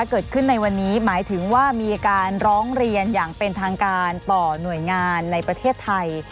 เกิดขึ้นในวันนี้หมายถึงว่ามีการร้องเรียนอย่างเป็นทางการต่อหน่วยงานในประเทศไทย